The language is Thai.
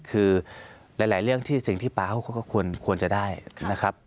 คือหลายเรื่องที่สิ่งที่ป๊าเขาก็ควรจะได้นะครับ